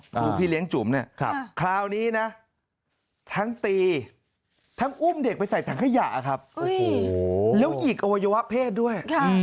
พี่เลี้ยงจุ๋มเนี่ยคราวนี้นะทั้งตีทั้งอุ้มเด็กไปใส่ถังขยะครับแล้วหยิกอวัยวะเพศด้วย